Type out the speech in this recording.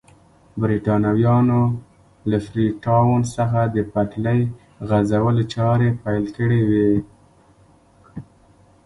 برېټانویانو له فري ټاون څخه د پټلۍ غځولو چارې پیل کړې وې.